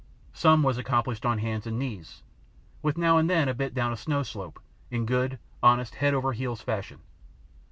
Some was accomplished on hands and knees, with now and then a bit down a snow slope, in good, honest head over heels fashion.